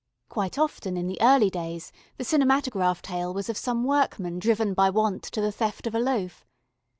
Quite often in the early days the cinematograph tale was of some workman driven by want to the theft of a loaf.